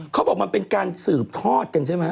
เขาบอกมันเป็นการสืบทอดกันใช่ไหม